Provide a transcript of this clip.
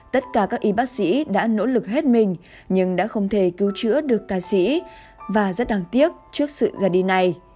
tất cả các y bác sĩ đã nỗ lực hết mình nhưng đã không thể cứu chữa được ca sĩ và rất đáng tiếc trước sự ra đi này